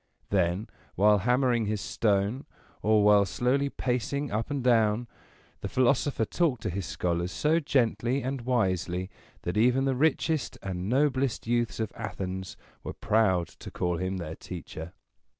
Then, while hammering his stone, or while slowly pacing up and down, the philosopher talked to his scholars so gently and wisely, that even the richest and noblest youths of Athens were proud to call him their teacher.